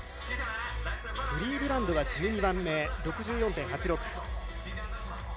クリーブランドが１２番目６４．８６。